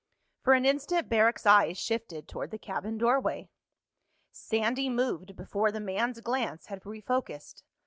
For an instant Barrack's eyes shifted toward the cabin doorway. Sandy moved before the man's glance had refocused.